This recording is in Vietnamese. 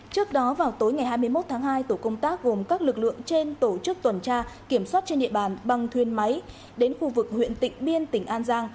trước đó vào tối ngày hai mươi một tháng hai tổ công tác gồm các lực lượng trên tổ chức tuần tra kiểm soát trên địa bàn bằng thuyền máy đến khu vực huyện tỉnh biên tỉnh an giang